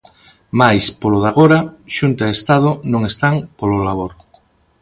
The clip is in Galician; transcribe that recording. Mais, polo de agora, Xunta e Estado non están polo labor.